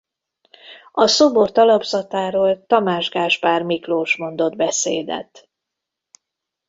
A szobor talapzatáról Tamás Gáspár Miklós mondott beszédet.